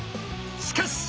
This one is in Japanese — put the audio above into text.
しかし！